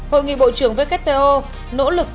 hội nghị bộ trưởng vkto nỗ lực tiến hành khám nghiệm